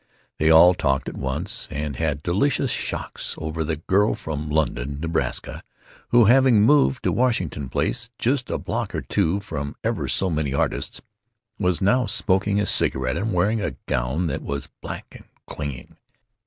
They all talked at once, and had delicious shocks over the girl from London, Nebraska, who, having moved to Washington Place, just a block or two from ever so many artists, was now smoking a cigarette and, wearing a gown that was black and clinging.